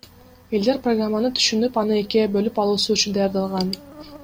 Элдер программаны түшүнүп, аны экиге бөлүп алуусу үчүн даярдалган.